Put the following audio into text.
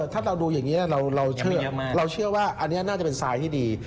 ถ้าเราดูอย่างนี้เราเชื่อว่าอันนี้น่าจะเป็นทรายที่ดี